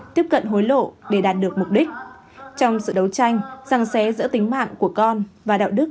tiếp cận hối lộ để đạt được mục đích trong sự đấu tranh rằng xé giữa tính mạng của con và đạo đức